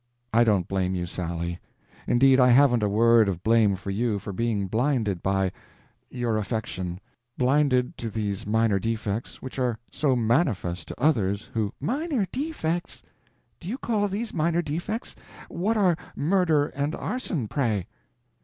"I don't blame you, Sally—indeed I haven't a word of blame for you for being blinded by—your affection—blinded to these minor defects which are so manifest to others who—" "Minor defects? Do you call these minor defects? What are murder and arson, pray?"